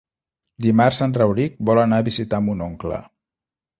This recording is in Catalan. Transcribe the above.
Dimarts en Rauric vol anar a visitar mon oncle.